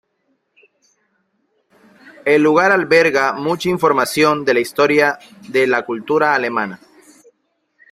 El lugar alberga mucha información de la historia de la cultura alemana.